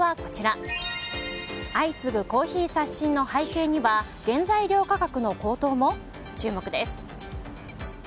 相次ぐコーヒー刷新の背景には原材料価格の高騰も？